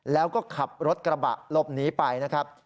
แล้วก็ขับรถกระบะหลบหนีไปนะครับ